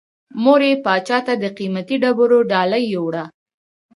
مور یې پاچا ته د قیمتي ډبرو ډالۍ یووړه.